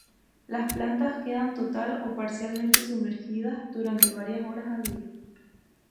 Las plantas quedan total o parcialmente sumergidas durante varias horas al día.